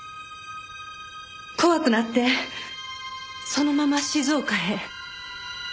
怖くなってそのまま静岡へ。